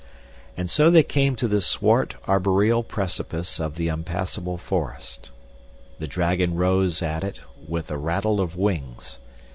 And so they came to the swart arboreal precipice of the unpassable forest. The dragon rose at it with a rattle of wings.